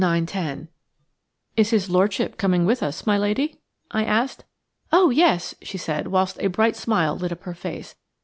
10." "Is his lordship coming with us, my lady?" I asked. "Oh, yes!" she said, whilst a bright smile lit up her face.